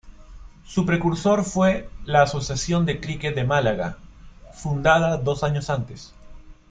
Su precursor fue la Asociación de Cricket de Málaga, fundada dos años antes.